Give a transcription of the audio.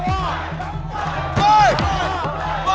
tidak ada apa apa